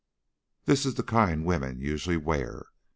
This is the kind women usually wear."